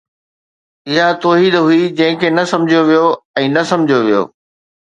اها توحيد هئي جنهن کي نه سمجھيو ويو ۽ نه سمجھيو ويو